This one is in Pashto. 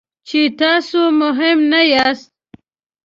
چې تاسو مهم نه یاست.